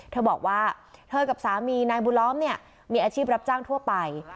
เธอบอกว่าเธอกับสามีนายบุญล้อมเนี่ยมีอาชีพรับจ้างทั่วไป